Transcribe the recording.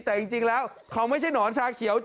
แต่จริงแล้วเขาไม่ใช่หนอนชาเขียว